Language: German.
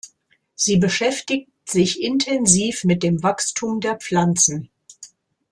Sie beschäftigt sich intensiv mit dem Wachstum der Pflanzen.